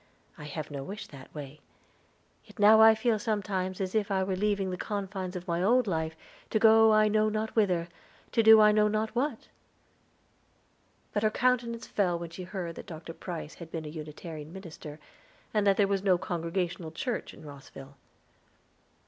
I have no wish that way. Yet now I feel sometimes as if I were leaving the confines of my old life to go I know not whither, to do I know not what." But her countenance fell when she heard that Dr. Price had been a Unitarian minister, and that there was no Congregational church in Rosville.